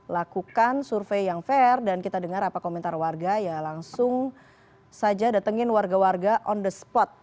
lakukan survei yang fair dan kita dengar apa komentar warga ya langsung saja datengin warga warga on the spot